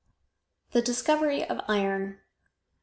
THE DISCOVERY OF IRON.